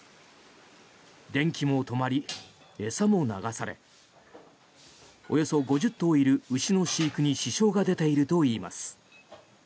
電気も止まり、餌も流されおよそ５０頭いる牛の飼育に支障が出ているといいます。